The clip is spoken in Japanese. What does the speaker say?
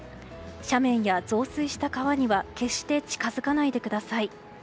斜面や増水した川には決して近づかないでください。